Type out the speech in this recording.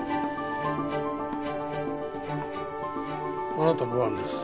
あなたの番です。